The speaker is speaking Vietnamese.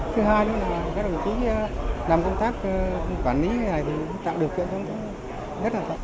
thứ hai là các đồng chí làm công tác quản lý này thì tạo được kiện rất là tốt